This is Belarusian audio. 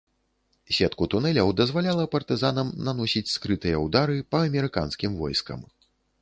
Сетку тунэляў дазваляла партызанам наносіць скрытыя ўдары па амерыканскім войскам.